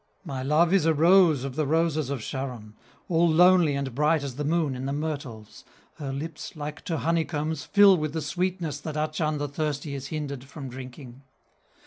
"My love is a rose of the roses of Sharon, All lonely and bright as the Moon in the myrtles! Her lips, like to honeycombs, fill with the sweetness That Achan the thirsty is hindered from drinking.